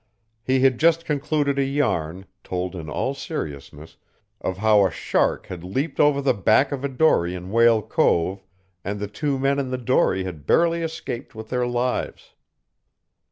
He had just concluded a yarn, told in all seriousness, of how a shark had leaped over the back of a dory in Whale Cove and the two men in the dory had barely escaped with their lives.